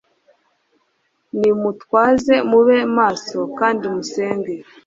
nimutwaze mube maso kandi musenge